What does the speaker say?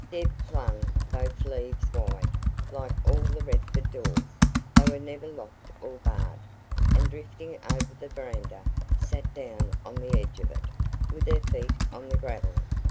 Deb flung both leaves wide like all the Redford doors, they were never locked or barred and drifting over the verandah, sat down on the edge of it, with her feet on the gravel.